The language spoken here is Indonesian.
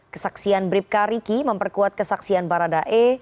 kesaksian bribka riki memperkuat kesaksian baradae